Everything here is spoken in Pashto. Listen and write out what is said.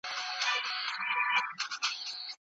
ډېر خلګ په دې نظر دي چي ادب بايد د ټولني هنداره وي.